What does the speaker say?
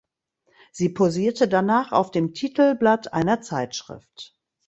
Sie posierte danach auf dem Titelblatt einer Zeitschrift.